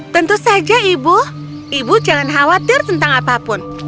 tentu saja ibu ibu jangan khawatir tentang apapun